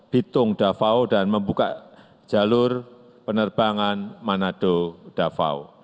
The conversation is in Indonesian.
bitung davao dan membuka jalur penerbangan manado davao